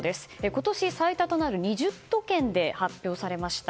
今年最多となる２０都県で発表されました。